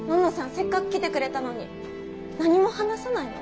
せっかく来てくれたのに何も話さないの？